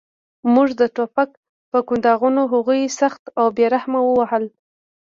موږ د ټوپک په کنداغونو هغوی سخت او بې رحمه ووهل